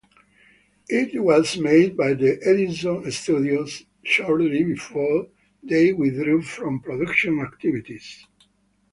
It was made by the Edison Studios shortly before they withdrew from production activities.